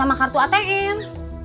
sama kartu atm